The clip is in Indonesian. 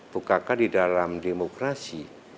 bukankah di dalam demokrasi